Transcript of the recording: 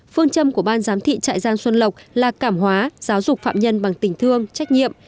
phương châm của ban giám thị trại giam xuân lộc là cảm hóa giáo dục phạm nhân bằng tình thương trách nhiệm